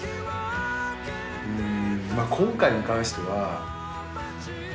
うん。